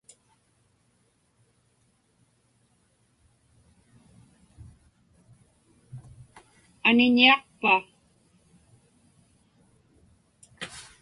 Aniniaqpa?